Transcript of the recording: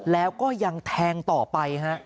แล้วก็ยังแทงต่อไปฮะ